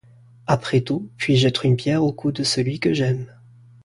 Après tout, puis-je être une pierre au cou de celui que j’aime?